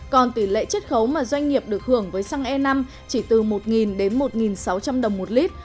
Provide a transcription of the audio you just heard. còn tỷ lệ chất khấu mà doanh nghiệp được hưởng với xăng e năm chỉ từ một đến một sáu trăm linh đồng một lít